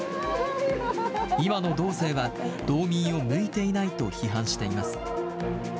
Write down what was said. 今の道政は道民を向いていないと批判しています。